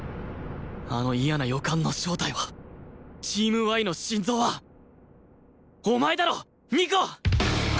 あの嫌な予感の正体はチーム Ｙ の心臓はお前だろ二子！